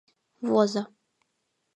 Возо.